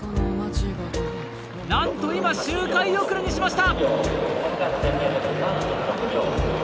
なんと今、周回遅れにしました。